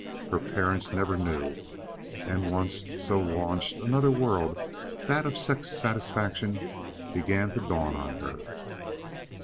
Her parents never knew. And once so launched, another world—that of sex satisfaction—began to dawn on her.